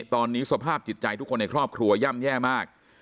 ตอนนี้สภาพจิตใจทุกคนในครอบครัวย่ำแย่มาก